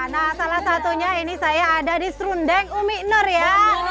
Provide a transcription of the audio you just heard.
nah salah satunya ini saya ada di serundeng umi nur ya